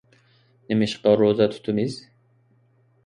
نېمىشقا روزا تۇتىمىز؟